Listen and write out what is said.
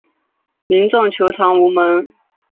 民众求偿无门